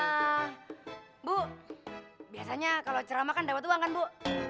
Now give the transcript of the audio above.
ibu biasanya kalau ceramah kan dapat uang kan bu